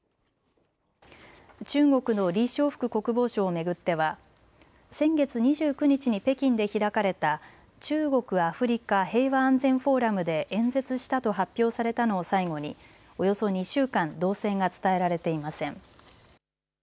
中国の李尚福国防相を巡っては先月２９日に北京で開かれた中国アフリカ平和安全フォーラムで演説したと発表されたのを最後におよそ２週間、動静が伝えられていません。